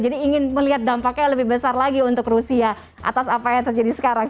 jadi ingin melihat dampaknya lebih besar lagi untuk rusia atas apa yang terjadi sekarang